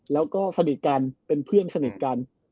แล้วก็สนิทกันเป็นเพื่อนสนิทกัน